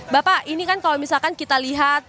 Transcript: bapak ini kan kalau misalkan kita lihat